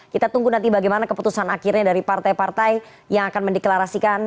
kita tunggu nanti bagaimana keputusan akhirnya dari partai partai yang akan mendeklarasikan